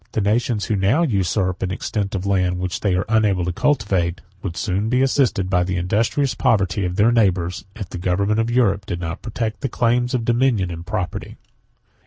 The nations who now usurp an extent of land which they are unable to cultivate, would soon be assisted by the industrious poverty of their neighbors, if the government of Europe did not protect the claims of dominion and property.